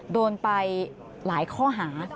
โดนไปหลายข้อหา